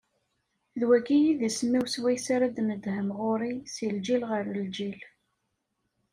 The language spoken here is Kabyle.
D wagi i d isem-iw swayes ara d-tneddhem ɣur-i, si lǧil ɣer lǧil.